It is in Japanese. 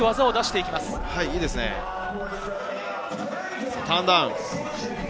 いいですね、ターンダウン。